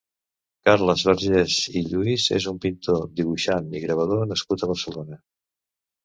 Carles Vergés i Lluís és un pintor, dibuixant i gravador nascut a Barcelona.